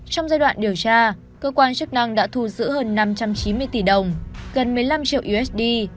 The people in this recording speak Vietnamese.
trong giai đoạn điều tra cơ quan chức năng đã thu giữ hơn năm trăm chín mươi tỷ đồng gần một mươi năm triệu usd